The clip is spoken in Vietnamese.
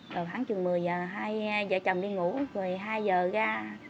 rồi tháng trường một mươi giờ hai vợ chồng đi ngủ rồi hai giờ ra